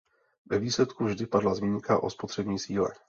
Ve výsledku vždy padla zmínka o spotřební síle.